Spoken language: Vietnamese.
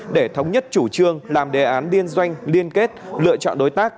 để thống nhất chủ trương làm đề án liên doanh liên kết lựa chọn đối tác